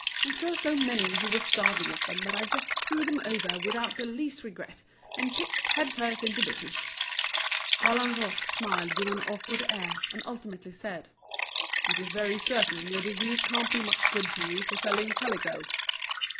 I saw so many who were starving at them that I just threw them over without the least regret, and pitched head first into business." Vallagnosc smiled with an awkward air, and ultimately said: "It's very certain your degree can't be much good to you for selling calico."